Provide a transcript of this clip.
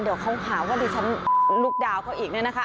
เดี๋ยวเขาหาว่าดิฉันลุกดาวเขาอีก